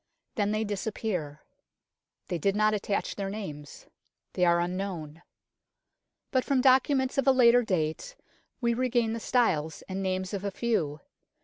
Then they disappear. They did not attach their names. They are unknown. But from documents of a later date we regain the styles and names of a few.